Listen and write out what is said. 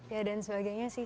ya dan sebagainya sih